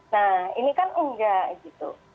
nah ini kan enggak gitu